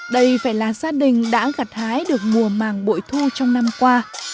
đây phải là gia đình đã gặt hái được mùa màng bội thu trong năm qua